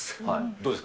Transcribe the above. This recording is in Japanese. どうですか？